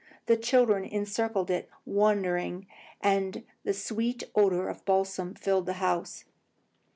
The children encircled it, wondering, and the sweet odour of the balsam filled the house.